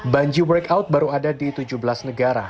bungee workout baru ada di tujuh belas negara